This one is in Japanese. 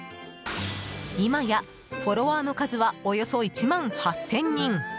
今や、フォロワーの数はおよそ１万８０００人！